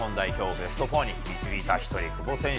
ベスト４に導いた１人久保選手